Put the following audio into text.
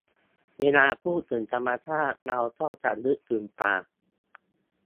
เวลาพูดถึงธรรมชาติเราก็จะนึกถึงป่า